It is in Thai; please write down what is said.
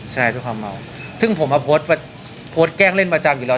ใช่ทุกความเมาถึงผมอะโพสต์แกล้งเล่นประจำอยู่แล้ว